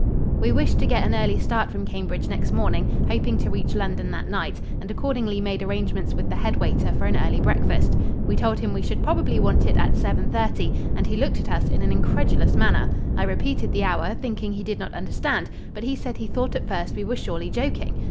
We wished to get an early start from Cambridge next morning, hoping to reach London that night, and accordingly made arrangements with the head waiter for an early breakfast. We told him we should probably want it at 7:30, and he looked at us in an incredulous manner. I repeated the hour, thinking he did not understand, but he said he thought at first we were surely joking.